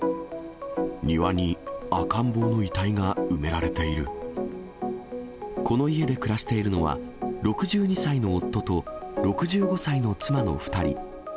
庭に赤ん坊の遺体が埋められこの家で暮らしているのは、６２歳の夫と６５歳の妻の２人。